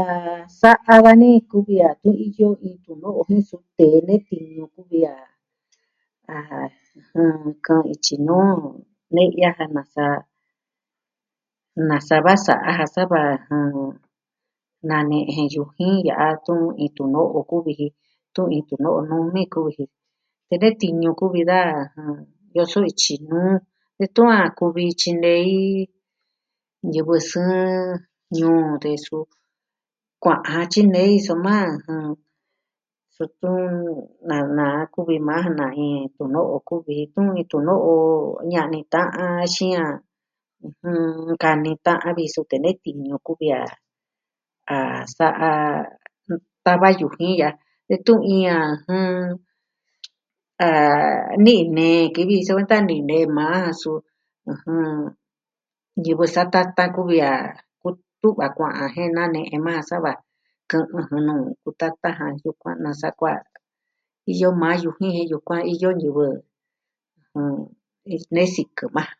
Ah... sa'a dani kuvi a tun iyo iin tuno'o jen su tee nee tiñu kuvi a... ah... kɨ'ɨn ityi nuu ne'ya ja nasa... va sa'a ja sava jɨn... na ne'e jen yujin ya'a tun iin tuno'o kuvi ji. Tun iin tuno'o numi ni kuvi ji. Tee nee tiñu kuvi da, ɨjɨn yoso ityi nuu detun a kuvi tyinei... ñivɨ sɨɨn ñuu de suu... Kua'an tyinei soma, ɨjɨn... suu tun na naa kuvi majan na iin tuno'o kuvi ji, tun iin tuno'o ña'ni ta'an axin a... ɨjɨn, nkani ta'an vi ji suu tee nee tiñu kuvi a, a sa'a... tava yujin a detun iin a jɨn... a... ni'i nee kuvi ji nee maa jan suu, ɨjɨn... ñivɨ satatan kuvi a kutu'va kua'an je na nee je maa sava, kɨ'ɨn jɨn nuu kutatan jan yukuan nasaa kuaa iyo maa yujin jen yukuan iyo ñivɨ... jɨn... nee sikɨ majan.